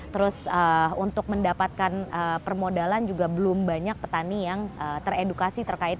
terus untuk mendapatkan permodalan juga belum banyak petani yang teredukasi terkait